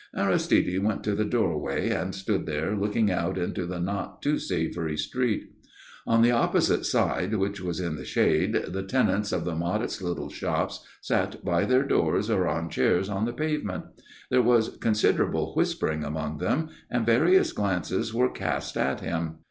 Aristide went to the doorway, and stood there looking out into the not too savoury street. On the opposite side, which was in the shade, the tenants of the modest little shops sat by their doors or on chairs on the pavement. There was considerable whispering among them and various glances were cast at him.